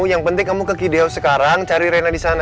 yang penting kamu ke gide house sekarang cari renna di sana